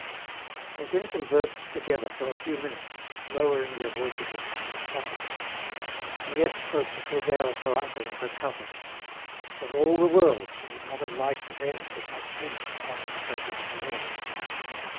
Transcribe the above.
They then conversed together for a few minutes, lowering their voices as much as possible. Miette spoke to Silvère of her uncle and her cousin. For all the world she would not have liked them to catch him astride the coping of the wall.